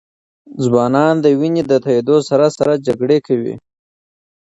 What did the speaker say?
ځوانان د وینې د تویېدو سره سره جګړه کوي.